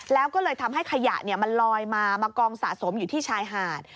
แล้วก็เลยทำให้ขยะมันลอยมามากองสะสมอยู่ที่ชายหาด